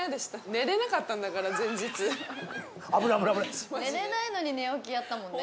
寝れないのに寝起きやったもんね。